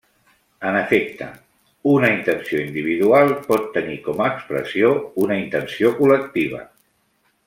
En efecte, una intenció individual pot tenir com a expressió una intenció col·lectiva.